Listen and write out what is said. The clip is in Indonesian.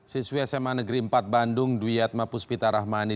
siswi sma negeri empat bandung dwi atma puspita rahmani